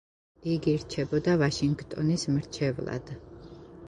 იგი რჩებოდა ვაშინგტონის მრჩევლად.